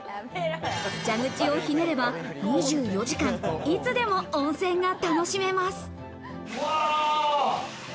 蛇口をひねれば、２４時間、いつでも温泉が楽しめます。